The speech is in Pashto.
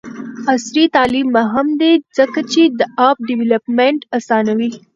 عصري تعلیم مهم دی ځکه چې د اپ ډیولپمنټ اسانوي.